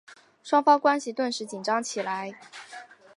双方关系顿时紧张起来。